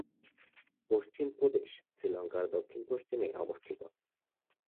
পশ্চিম প্রদেশ শ্রীলংকার দক্ষিণ-পশ্চিমে অবস্থিত।